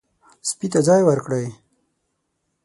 سپي ته ځای ورکړئ.